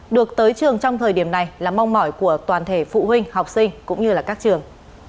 được tới trường trong thời điểm này là mong mỏi của toàn thể phụ huynh học sinh cũng như các trường